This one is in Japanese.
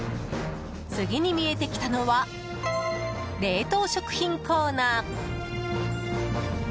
次に見えてきたのは冷凍食品コーナー。